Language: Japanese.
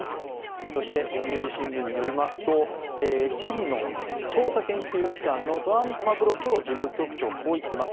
そして、読売新聞によりますとチリの調査研究機関のフアンパブロ・トロ事務局長はこう言っています。